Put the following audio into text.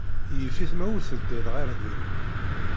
Yif-it ma ur teddiḍ ɣer din.